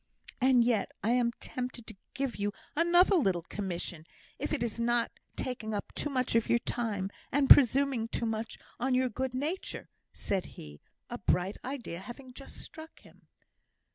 "And yet I am tempted to give you another little commission, if it is not taking up too much of your time, and presuming too much on your good nature," said he, a bright idea having just struck him.